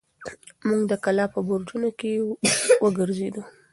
موږ د کلا په برجونو کې وګرځېدو.